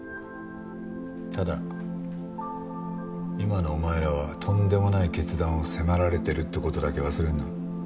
ただ今のお前らはとんでもない決断を迫られてるって事だけ忘れんな。